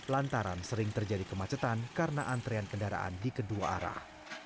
lantaran sering terjadi kemacetan karena antrean kendaraan di kedua arah